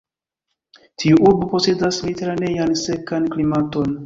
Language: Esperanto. Tiu urbo posedas mediteranean sekan klimaton.